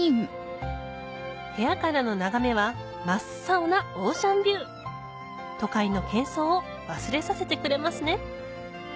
部屋からの眺めは真っ青なオーシャンビュー都会のけんそうを忘れさせてくれますね